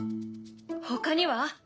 ほかには？